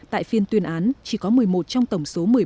tại phiên tuyên án chỉ có một mươi một trong tổng số